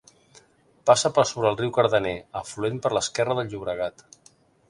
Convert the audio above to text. Passa per sobre el riu Cardener, afluent per l'esquerra del Llobregat.